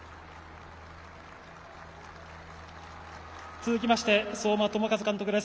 続きまして相馬朋和監督です。